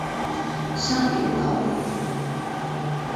赡养老人